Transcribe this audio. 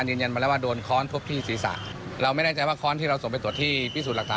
เดี๋ยวฟังเสียงในอัตรียะดูค่ะ